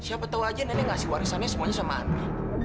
siapa tahu aja nenek ngasih warisannya semuanya sama andi